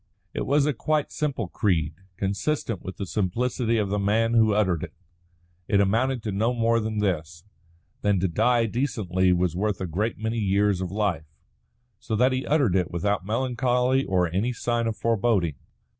It was a quite simple creed, consistent with the simplicity of the man who uttered it. It amounted to no more than this: that to die decently was worth a good many years of life. So that he uttered it without melancholy or any sign of foreboding.